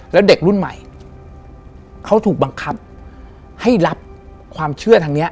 แล้วเด็กรุ่นใหม่เขาถูกบังคับให้รับความเชื่อทางนี้